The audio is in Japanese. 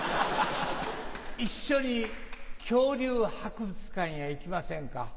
一緒に恐竜博物館へ行きませんか？